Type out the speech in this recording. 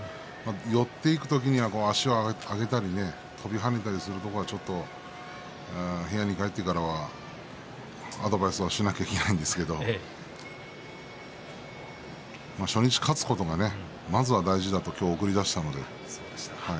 寄っていく時には足を上げたり跳びはねたりするところがちょっと部屋に帰ってからアドバイスをしなければいけないのですが初日勝つことがまずは大事だと送り出したので。